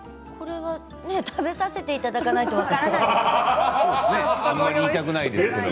これは食べさせていただかないと分からないですよ。